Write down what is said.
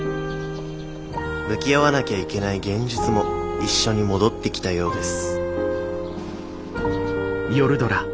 向き合わなきゃいけない現実も一緒に戻ってきたようです